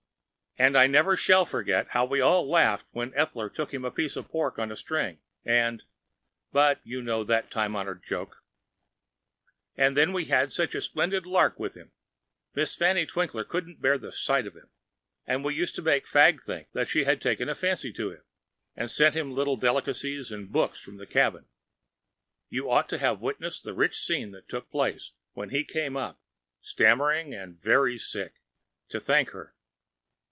And I never shall forget how we all laughed when Eattler took him the piece of pork on a string, and‚ÄĒBut you know that time honored joke. And then we had such a splendid lark with him. Miss Fanny Twinkler couldn’t bear the sight of him, and we used to make Fagg think that she had taken a fancy to him, and sent him little delicacies and books from the cabin. You ought to have witnessed the rich scene that took place when he came up, stammering and very sick, to thank her!